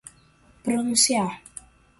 pronunciar